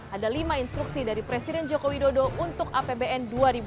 ada lima instruksi dari presiden joko widodo untuk apbn dua ribu dua puluh